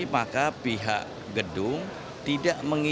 maka pihak gedung tidak mengizin